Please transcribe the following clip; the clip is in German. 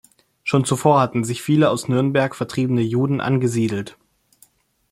Schon zuvor hatten sich viele aus Nürnberg vertriebene Juden angesiedelt.